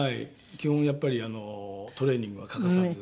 基本やっぱりトレーニングは欠かさず。